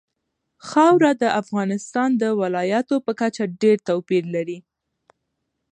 خاوره د افغانستان د ولایاتو په کچه ډېر توپیر لري.